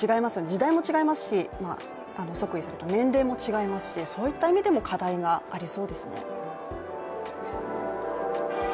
時代も違いますし即位された年齢も違いますしそういった意味でも課題がありそうですね。